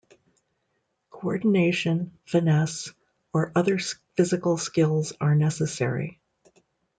Coordination, finesse, or other physical skills are necessary.